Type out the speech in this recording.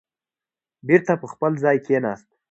بېرته په خپل ځای کېناست.